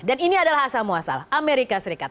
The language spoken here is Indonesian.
dan ini adalah asal muasalah amerika serikat